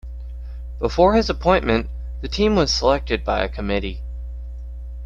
Before his appointment the team was selected by a Committee.